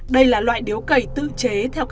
đây là loại điếu cầy tự chế